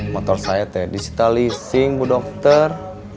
motor saya teh digitalising bu dokter